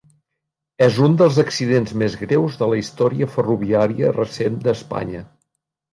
És un dels accidents més greus de la història ferroviària recent d'Espanya.